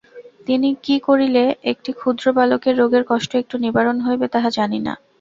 কী করিলে একটি ক্ষুদ্র বালকের রোগের কষ্ট একটু নিবারণ হইবে তাহা জানি না।